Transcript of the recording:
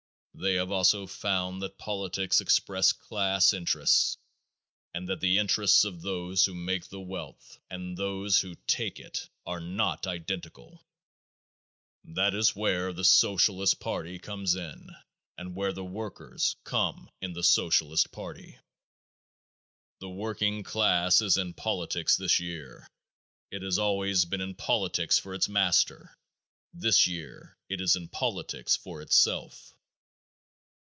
They have also found that politics express class interests and that the interests of those who make the wealth and those who take it are not identical. That is where the Socialist party comes in and where the workers come in the Socialist party. The working class is in politics this year. It has always been in politics for its master; this year it is in politics for itself.